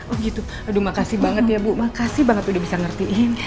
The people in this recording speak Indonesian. oh gitu aduh makasih banget ya bu makasih banget udah bisa ngertiin